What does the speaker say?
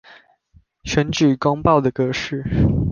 選舉公報的格式